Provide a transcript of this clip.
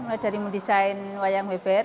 mulai dari mendesain wayang beber